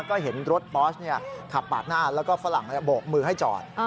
ก็เห็นรถบอสขับปาดหน้าแล้วก็ฝรั่งโบกมือให้จอด